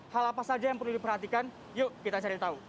hal apa saja yang perlu diperhatikan yuk kita cari tahu